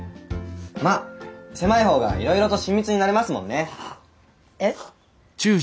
まあ狭い方がいろいろと親密になれますもんね。